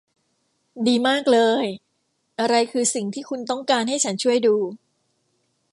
ดีมากเลย อะไรคือสิ่งที่คุณต้องการให้ฉันช่วยดู